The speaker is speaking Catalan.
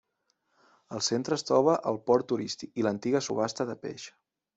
Al centre es troba el port turístic i l'antiga subhasta de peix.